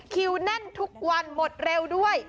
แน่นทุกวันหมดเร็วด้วย